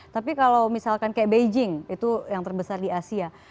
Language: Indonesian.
tapi kalau misalkan kayak beijing itu yang terbesar di asia